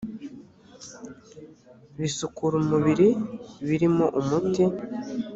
bisukura umubiri birimo umuti